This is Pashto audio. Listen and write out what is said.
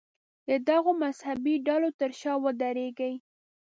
د دغو مذهبي ډلو تر شا ودرېږي.